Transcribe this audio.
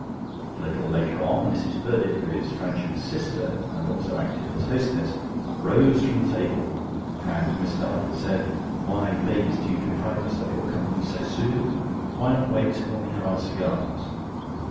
A little later on, Mrs. Purdick, who is Franching's sister and also acted as hostess, rose from the table, and Mr. Huttle said: "Why, ladies, do you deprive us of your company so soon? Why not wait while we have our cigars?"